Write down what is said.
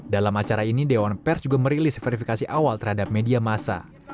dalam acara ini dewan pers juga merilis verifikasi awal terhadap media masa